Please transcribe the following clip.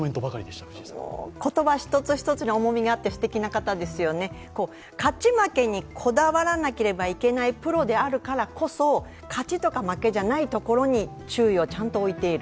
言葉一つ一つに重みがあって、すてきな方ですよね、勝ち負けにこだわらなければいけないプロであるからこそ勝ちとか負けじゃないところに注意をちゃんと置いている。